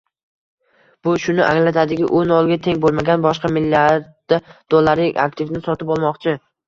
Bu shuni anglatadiki, u nolga teng bo'lmagan boshqa milliard dollarlik aktivni sotib olmoqchi